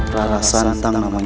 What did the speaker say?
rara santam namanya